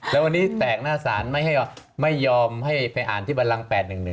แล้ววันนี้แตกหน้าศาลไม่ยอมให้ไปอ่านที่บันลัง๘๑๑